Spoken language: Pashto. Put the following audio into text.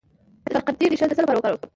د شکرقندي ریښه د څه لپاره وکاروم؟